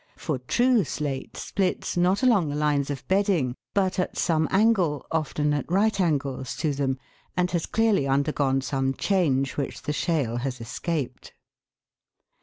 22), for true slate splits, not along the lines of bedding, but at some angle, often at right angles, to them, and has clearly undergone some change which the shale has escaped.